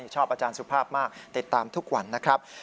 ชอบอาจารย์สุภาพมากติดตามทุกวันนะครับ